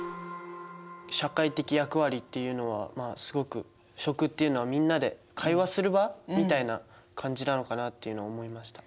社会的役割っていうのはまあすごく食っていうのはみんなで会話する場みたいな感じなのかなっていうのを思いました。